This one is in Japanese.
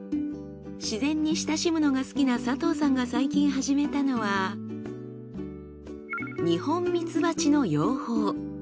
自然に親しむのが好きな佐藤さんが最近始めたのは日本みつばちの養蜂。